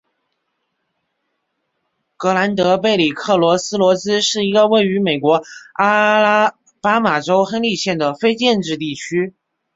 格兰德贝里克罗斯罗兹是一个位于美国阿拉巴马州亨利县的非建制地区。